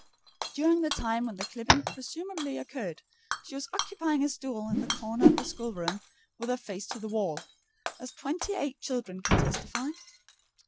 During the time when the clipping presumably occurred, she was occupying a stool in the corner of the schoolroom with her face to the wall, as twenty eight children can testify.